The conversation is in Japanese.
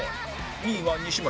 ２位は西村